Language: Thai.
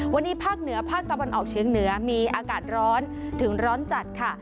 วันนี้พากตะวันออกเชียงเหนือมีอากาศร้อนถึงร้อนจันทร์ค่ะ